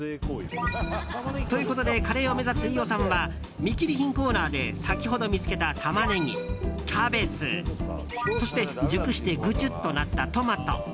ということでカレーを目指す飯尾さんは見切り品コーナーで先ほど見つけたタマネギ、キャベツそして、熟してぐちゅっとなったトマト。